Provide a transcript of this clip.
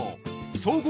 総合